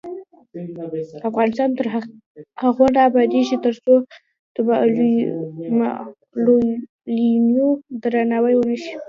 افغانستان تر هغو نه ابادیږي، ترڅو د معلولینو درناوی ونشي.